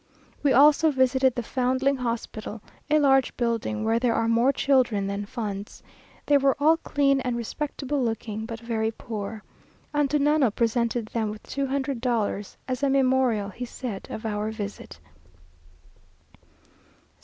We also visited the Foundling Hospital, a large building, where there are more children than funds. They were all clean and respectable looking, but very poor. Antunano presented them with two hundred dollars, as a memorial, he said, of our visit.